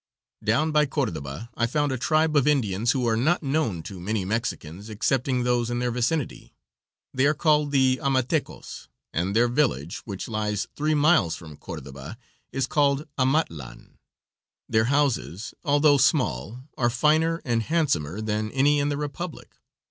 Down by Cordoba I found a tribe of Indians who are not known to many Mexicans excepting those in their vicinity; they are called the Amatecos, and their village, which lies three miles from Cordoba, is called Amatlan; their houses, although small, are finer and handsomer than any in the Republic.